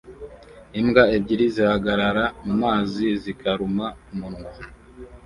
Imbwa ebyiri zihagarara mumazi zikaruma umunwa